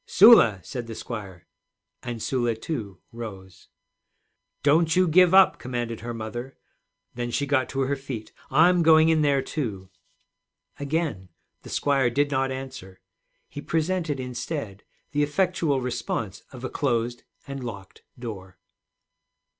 'Sula!' said the squire; and Sula, too, rose. 'Don't you give up,' commanded her mother. Then she got to her feet. 'I'm going in there, too.' Again the squire did not answer. He presented instead the effectual response of a closed and locked door.